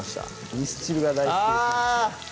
ミスチルが大好きでしたあ！